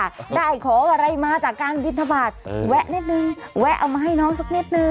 ได้ของอะไรมาจากการบินทบาทเออแวะนิดนึงแวะเอามาให้น้องสักนิดนึง